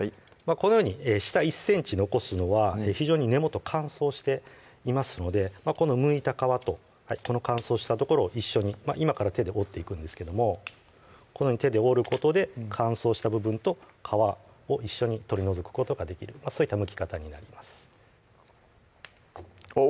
このように下１ｃｍ残すのは非常に根元乾燥していますのでこのむいた皮とこの乾燥した所を一緒に今から手で折っていくんですけどもこのように手で折ることで乾燥した部分と皮を一緒に取り除くことができるそういったむき方になりますあっ